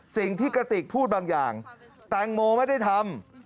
สิ่งที่กระติกพูดบางอย่างแตงโมไม่ได้ทำ